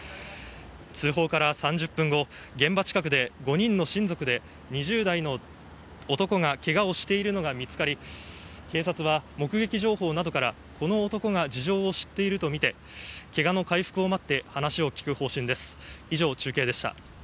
通報から３０分後、現場近くで５人の親族で２０代前半の男がけがをしているのが見つかり、警察は目撃情報などから、この男が事情を知っているとみてけがの回復を待って話を聞く方針です。